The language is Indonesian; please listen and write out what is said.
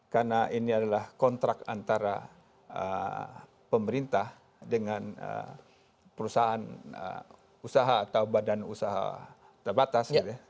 karena ini adalah kontrak antara pemerintah dengan perusahaan usaha atau badan usaha terbatas gitu ya